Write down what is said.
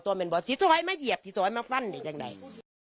ต้องไปบอกที่ท้อยไม่เหยียบทีต้อยมาฟันในจังไหน